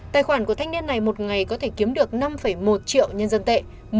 tài khoản của thanh niên này một ngày có thể kiếm được năm một triệu nhân dân tệ